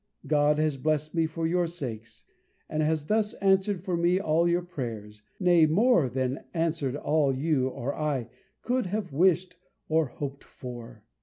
God has blessed me for your sakes, and has thus answered for me all your prayers; nay, more than answered all you or I could have wished or hoped for.